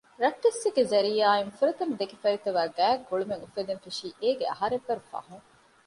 ރައްޓެއްސެއްގެ ޒަރީޢާއިން ފުރަތަމަ ދެކިފަރިތަވެ ގާތް ގުޅުމެއް އުފެދެން ފެށީ އޭގެ އަހަރެއް ވަރު ފަހުން